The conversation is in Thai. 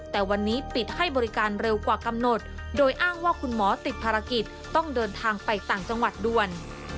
แต่วันนี้ปิดให้บริการเร็วกว่ากำหนดโดยอ้างว่าคุณหมอติดภารกิจต้องเดินทางไปต่างจังหวัดด่วน